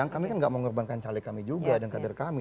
kami kan nggak mengorbankan caleg kami juga dan kader kami